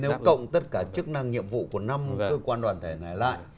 nếu cộng tất cả chức năng nhiệm vụ của năm cơ quan đoàn thể này lại